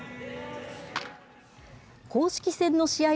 公式戦の試合